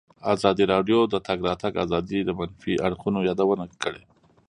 ازادي راډیو د د تګ راتګ ازادي د منفي اړخونو یادونه کړې.